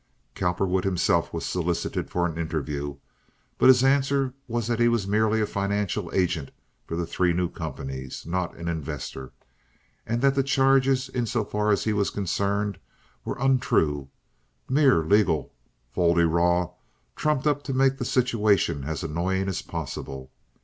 Cowperwood himself was solicited for an interview, but his answer was that he was merely a financial agent for the three new companies, not an investor; and that the charges, in so far as he was concerned, were untrue, mere legal fol de rol trumped up to make the situation as annoying as possible.